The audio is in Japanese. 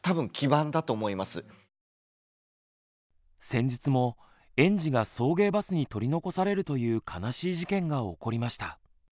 先日も園児が送迎バスに取り残されるという悲しい事件が起こりました。